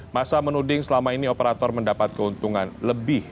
masa menuding selama ini operator mendapat keuntungan lebih